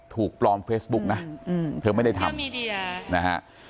ถูกปลอมเฟซบุ๊กนะอืมอืมเธอไม่ได้ทำน่ะฮะ